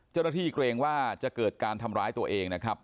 เจ้าหน้าที่เกรงว่าจะเกิดการทำร้ายตัวเองนะครับ